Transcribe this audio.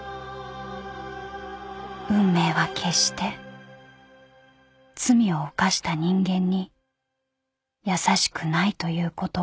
［運命は決して罪を犯した人間に優しくないということを］